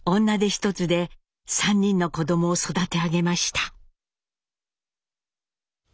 女手一つで３人の子どもを育て上げました。